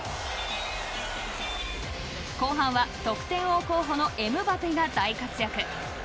後半は得点王候補のエムバペが大活躍。